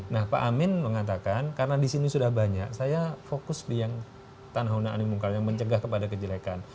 nah pak amin mengatakan karena di sini sudah banyak saya fokus di yang tanah huna animumkar yang mencegah kepada kejelekan